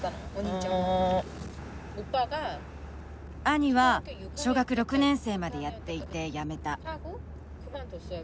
兄は小学６年生までやっていてやめた。